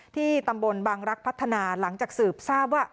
ที่ตำบลบังรักษ์พัฒนาหลังจากสืบทราบว่า